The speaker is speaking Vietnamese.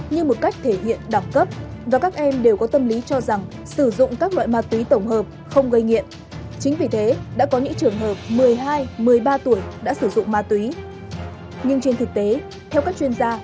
như một cách thể hiện đối tượng sử dụng ma túy trong các cuộc vui